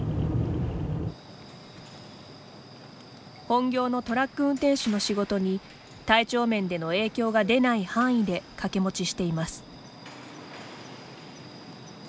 本業のトラック運転手の仕事に体調面での影響が出ない範囲で掛け持ちしています。